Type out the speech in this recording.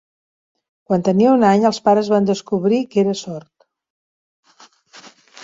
Quan tenia un any, els seus pares van descobrir que era sord.